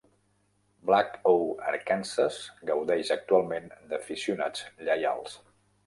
Black Oak Arkansas gaudeix actualment d'aficionats lleials.